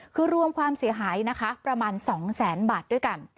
คือรวมความเสียหายนะคะประมาณ๒แสนบาทด้วยกัน